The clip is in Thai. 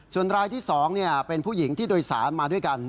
ส่วนรายที่๒เป็นผู้หญิงที่โดยสารมาด้วยกัน